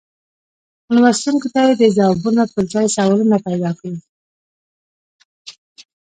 لوستونکو ته یې د ځوابونو پر ځای سوالونه پیدا کړل.